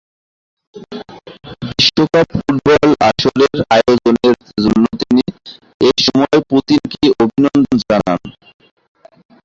বিশ্বকাপ ফুটবল আসরের আয়োজনের জন্য তিনি এ সময় পুতিনকে অভিনন্দন জানান।